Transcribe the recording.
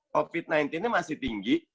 covid sembilan belas nya masih tinggi